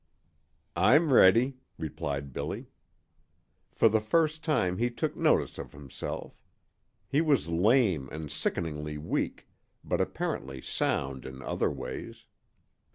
"I'm ready," replied Billy. For the first time he took notice of himself. He was lame and sickeningly weak, but apparently sound in other ways.